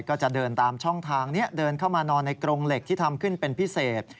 ก็จะเดินตามช่องทางนี้เดินเข้ามานอนในกรงเหล็กที่ทำขึ้นเป็นพิเศษ